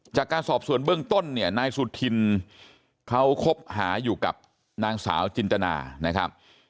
จากการสอบส่วนเบื้องต้นเนี่ยนายสุธินเขาคบหาอยู่กับนางสาวจินตนานะครับ